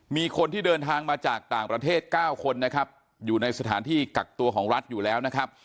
มีคนที่เดินทางมาจากต่างประเทศ๙คนนะครับอยู่ในสถานที่กักตัวของรัฐอยู่แล้วนะครับ